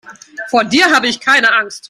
Vor dir habe ich keine Angst.